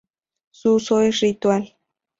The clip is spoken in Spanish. Su uso es ritual.